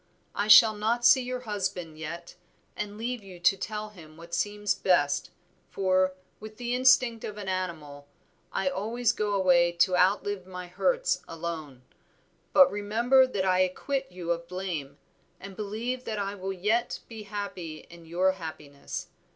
I shall not see your husband yet, and leave you to tell him what seems best, for, with the instinct of an animal, I always go away to outlive my hurts alone. But remember that I acquit you of blame, and believe that I will yet be happy in your happiness.